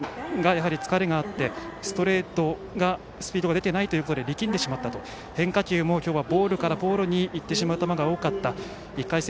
森は今日は下半身がやはり疲れがあってストレートがスピードが出ていないので力んでしまって、変化球も今日はボールからボールにいってしまう球が多かった。